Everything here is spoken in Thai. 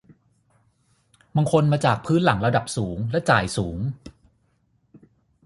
บางคนมาจากพื้นหลังระดับสูงและจ่ายสูง